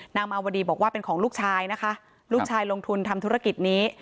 นางมาวดีบอกว่าเป็นของลูกชายนะคะลูกชายลงทุนทำธุรกิจนี้